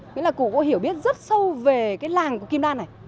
nghĩa là cụ có hiểu biết rất sâu về cái làng của kim đa này